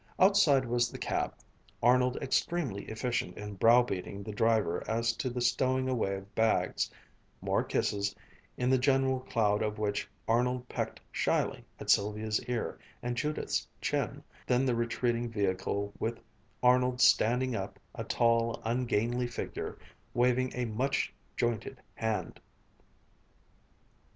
Outside was the cab, Arnold extremely efficient in browbeating the driver as to the stowing away of bags, more kisses, in the general cloud of which Arnold pecked shyly at Sylvia's ear and Judith's chin; then the retreating vehicle with Arnold standing up, a tall, ungainly figure, waving a much jointed hand.